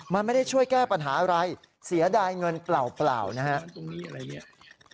มันไม่ได้ช่วยแก้ปัญหาอะไรเสียดายเงินเปล่านะครับ